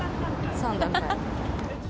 ３段階。